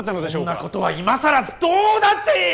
そんなことは今さらどうだっていい！